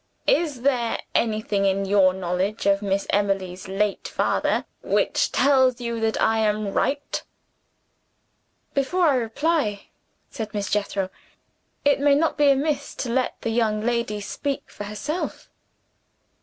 Is there anything in your knowledge of Miss Emily's late father, which tells you that I am right?" "Before I reply," said Miss Jethro, "it may not be amiss to let the young lady speak for herself."